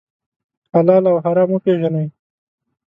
حلال او حرام وپېژنئ.